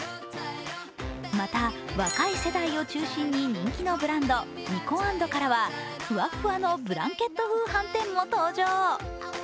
また若い世代を中心に人気のブランド、ｎｉｋｏａｎｄからは、ふわふわのブランケット風はんてんも登場。